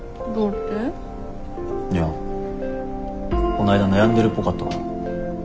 いやこないだ悩んでるっぽかったから。